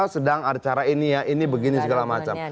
karena sedang ada cara ini ya ini begini segala macam